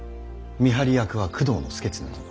見張り役は工藤祐経殿。